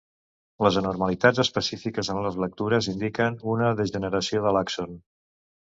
Les anormalitats específiques en les lectures indiquen una degeneració de l'àxon.